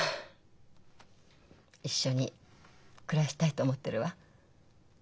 一緒に暮らしたいと思ってるわ。